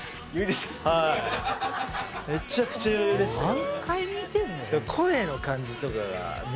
はいめちゃくちゃ余裕でしたけどね